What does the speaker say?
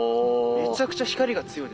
めちゃくちゃ光が強いです。